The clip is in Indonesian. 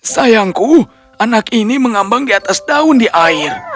sayangku anak ini mengambang di atas daun di air